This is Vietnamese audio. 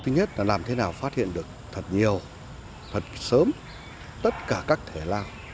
thứ nhất là làm thế nào phát hiện được thật nhiều thật sớm tất cả các thể lao